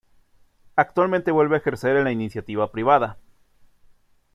Actualmente vuelve a ejercer en la Iniciativa Privada.